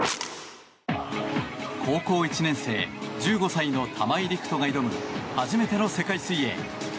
高校１年生、１５歳の玉井陸斗が挑む初めての世界水泳。